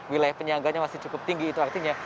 wilayah penyangganya masih cukup tinggi itu artinya